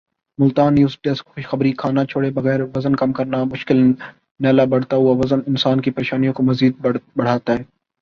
Multan news desk خشخبری کھانا چھوڑے بغیر وزن کم کرنا اب مشکل نہلا بڑھتا ہوا وزن انسان کی پریشانیوں کو مذید بڑھاتا ہے